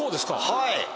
はい。